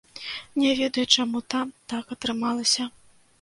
Не ведаю, чаму там так атрымалася.